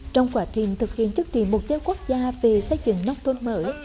trong quá trình thực hiện chức trị mục tiêu quốc gia về xây dựng nông thôn mở